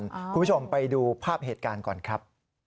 คุณผู้ชมไปดูภาพเหตุการณ์ก่อนครับ